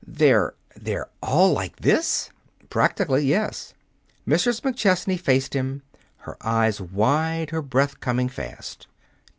"They're they're all like this?" "Practically, yes." Mrs. McChesney faced him, her eyes wide, her breath coming fast.